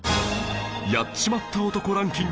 やっちまった男ランキング